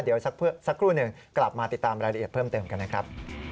เดี๋ยวสักครู่หนึ่งกลับมาติดตามรายละเอียดเพิ่มเติมกันนะครับ